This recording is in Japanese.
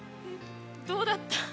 どうだった？